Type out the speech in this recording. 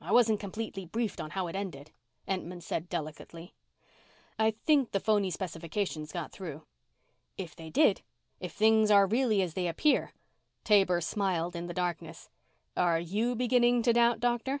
"I wasn't completely briefed on how it ended," Entman said delicately. "I think the phony specifications got through." "If they did if things are really as they appear " Taber smiled in the darkness. "Are you beginning to doubt, Doctor?"